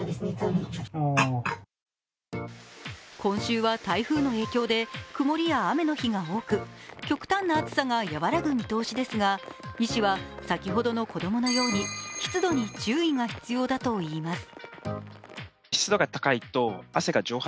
今週は台風の影響で曇りや雨の日が多く極端な暑さが和らぐ見通しですが医師は先ほどの子供のように湿度に注意が必要だといいます。